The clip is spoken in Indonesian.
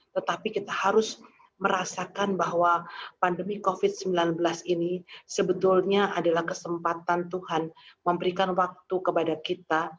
tetapi kita harus merasakan bahwa pandemi covid sembilan belas ini sebetulnya adalah kesempatan tuhan memberikan waktu kepada kita